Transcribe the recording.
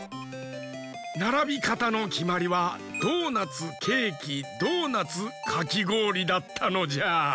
ならびかたのきまりはドーナツケーキドーナツかきごおりだったのじゃ。